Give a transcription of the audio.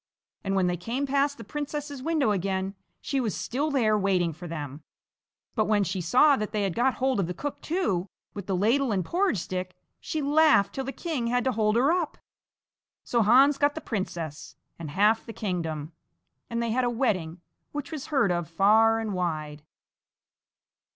And when they came past the princess's window again, she was still there waiting for them, but when she saw that they had got hold of the cook too, with the ladle and porridge stick, she laughed till the king had to hold her up. So Hans got the princess and half the kingdom, and they had a wedding which was heard of far and wide.